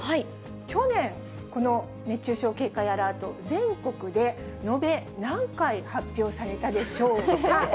去年、この熱中症警戒アラート、全国で延べ何回発表されたでしょうか。